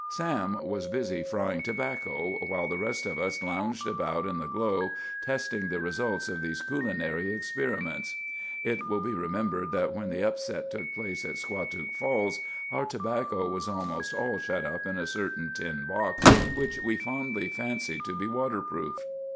Sam was busy frying tobacco, while the rest of us lounged about in the glow, testing the results of these culinary experiments. It will be remembered that when the upset took place at Squatook Falls, our tobacco was almost all shut up in a certain tin box which we fondly fancied to be water proof.